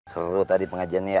seru tadi pengajiannya ya